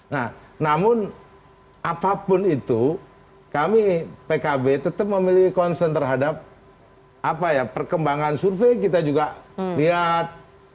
nah namun apapun itu kami pkb tetap memilih konsen terhadap apa ya perkembangan survei kita juga lihat